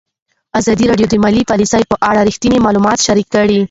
ازادي راډیو د مالي پالیسي په اړه رښتیني معلومات شریک کړي.